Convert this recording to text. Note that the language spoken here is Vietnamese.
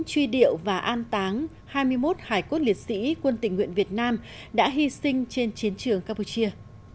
truy điệu và an táng hai mươi một hải cốt liệt sĩ quân tình nguyện việt nam đã hy sinh trên chiến trường campuchia